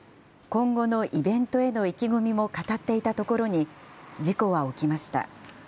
今後のイベントへの意気込みも語っていたところに、事故は起きました。